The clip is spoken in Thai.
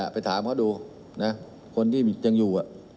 ไปถามก็ดูคนที่ยังอยู่